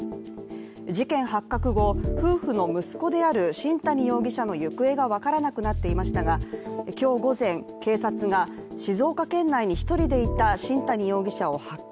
事件発覚後、夫婦の息子である新谷容疑者の行方が分からなくなっていましたが、今日午前、警察が静岡県内に１人でいた新谷容疑者を発見。